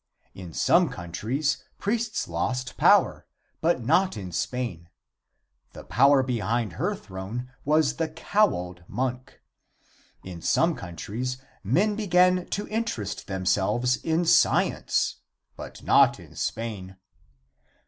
In some countries, priests lost power, but not in Spain. The power behind her throne was the cowled monk. In some countries men began to interest themselves in science, but not in Spain.